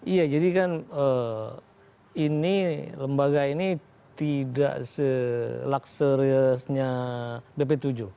iya jadi kan ini lembaga ini tidak selakseriusnya bp tujuh